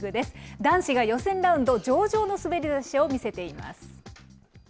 男子が予選ラウンド上々の滑り出しを見せています。